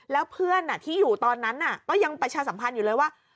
แล้วเพื่อนที่อยู่ตอนนั้นก็ยังประชาสัมพันธ์อยู่เลยว่า